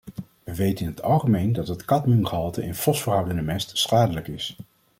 We weten in het algemeen dat het cadmiumgehalte in fosforhoudende mest schadelijk is.